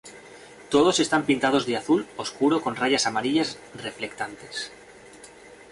Todos están pintados de azul oscuro con rayas amarillas reflectantes.